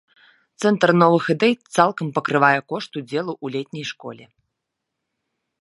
Цэнтр новых ідэй цалкам пакрывае кошт удзелу ў летняй школе.